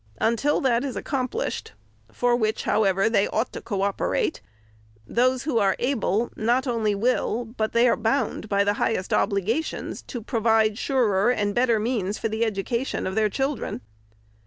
Until that is accomplished (for which, however, they ought to co op erate), those who are able, not only will, but they are bound by the highest obligations to, provide surer and better means for the education of their children.